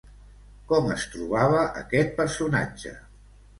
Com es trobava aquest personatge?